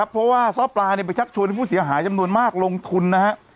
เพราะว่าซ้อปลาไปชักชวนให้ผู้เสียหายจำนวนมากลงทุนนะฮะ